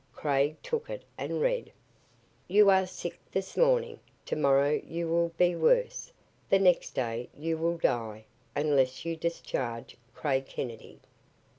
Craig took it and read: "YOU ARE SICK THIS MORNING. TOMORROW YOU WILL BE WORSE. THE NEXT DAY YOU WILL DIE UNLESS YOU DISCHARGE CRAIG KENNEDY."